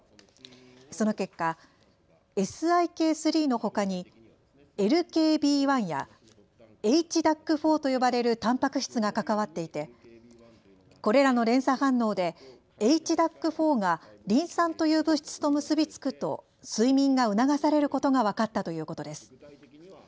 その結果、ＳＩＫ３のほかにＬＫＢ１やＨＤＡＣ４と呼ばれるたんぱく質が関わっていてこれらの連鎖反応でＨＤＡＣ４がリン酸という物質と結び付くと睡眠が促されることが分かったということです。